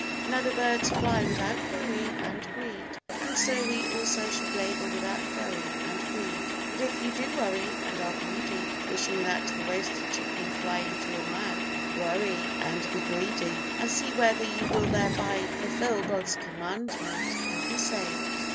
Now the birds fly without worry and greed, and so we also should labor without worry and greed; but if you do worry and are greedy, wishing that the roasted chicken fly into your mouth: worry and be greedy, and see whether you will thereby fulfil God's Commandment and be saved!